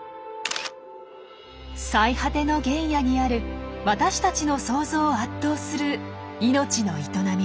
最果ての原野にある私たちの想像を圧倒する命の営み。